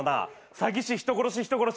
詐欺師人殺し人殺し